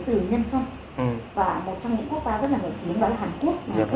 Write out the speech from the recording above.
từ nhân dân và một trong những quốc gia rất là nổi tiếng đó là hàn quốc